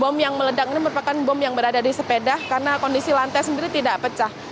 bom yang meledak ini merupakan bom yang berada di sepeda karena kondisi lantai sendiri tidak pecah